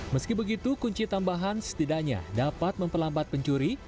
meski begitu kunci tambahan setidaknya dapat memperlambat pencuri